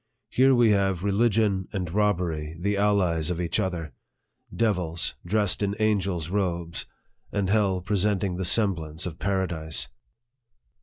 Here we have religion and robbery the allies of each other devils dressed in angels' robes, and hell presenting the semblance of paradise.